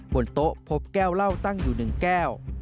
บนโต๊ะพบแก้วเหล้าตั้งอยู่๑แก้ว